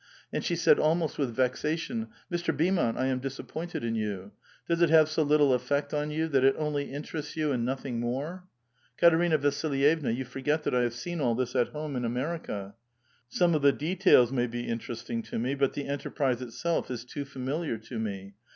And she said, almost with vexation, Mr. Beau mont, I am disappointed in you. Does it have so little effect on you, that it only interests yon, and nothing more?" '* Katerina Vasllyevua, you forget that I have seen all this at home in America ; some of the details may be inter esting to me ; but the enterprise itself is too familiar to me.